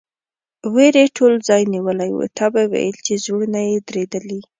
وېرې ټول ځای نیولی و، تا به ویل چې زړونه یې درېدلي.